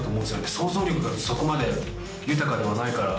想像力がそこまで豊かではないから。